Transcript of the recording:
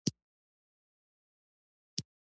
چې ډاکټر صاحب ناڅاپه چيغه کړه.